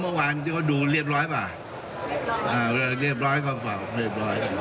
หรือเรื่องพลงเสียงปลอมนะครับ